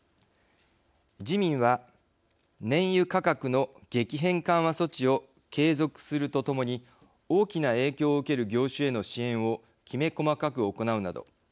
自民は燃油価格の激変緩和措置を継続するとともに大きな影響を受ける業種への支援をきめ細かく行うなど。